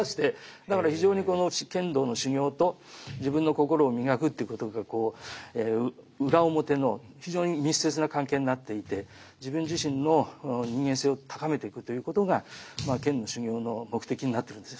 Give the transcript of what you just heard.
だから非常にこの剣道の修行と自分の心を磨くっていうことが裏表の非常に密接な関係になっていて自分自身の人間性を高めていくということがまあ剣の修行の目的になってるんですね